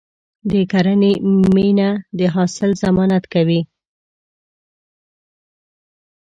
د کرنې مینه د حاصل ضمانت کوي.